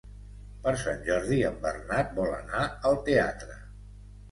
Per Sant Jordi en Bernat vol anar al teatre.